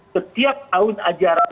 setiap tahun ajaran